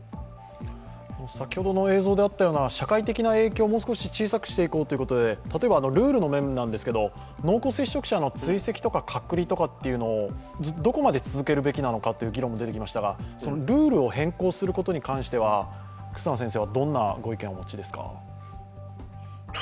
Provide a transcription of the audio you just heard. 先ほどの映像であったような、社会的な影響をもう少し小さくしていこうということで、例えばルールの面ですが、濃厚接触者の追跡とか隔離とかっていうのをどこまで続けるべきかっていう議論が出てきましたがそのルールを変更することに関しては忽那先生はどんなご意見をお持ちですか？